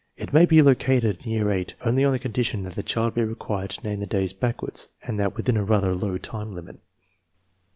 It may be located in 3 r ear VIII only on the condition that the child be required to name the days backwards, and that within a rather low time limit.